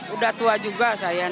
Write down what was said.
udah tua juga saya